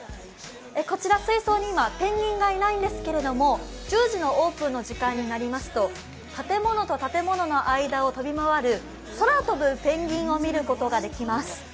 こちら、水槽に今、ペンギンがいないんですけれども、１０時のオープンの時間になりますと、建物と建物の間を飛び回る空飛ぶペンギンを見ることができます。